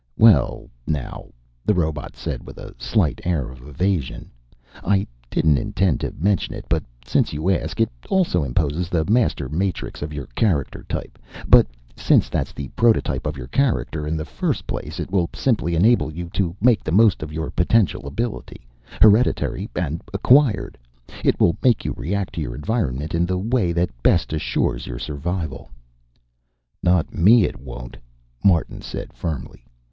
"Well, now," the robot said with a slight air of evasion. "I didn't intend to mention it, but since you ask it also imposes the master matrix of your character type. But since that's the prototype of your character in the first place, it will simply enable you to make the most of your potential ability, hereditary and acquired. It will make you react to your environment in the way that best assures your survival." "Not me, it won't," Martin said firmly.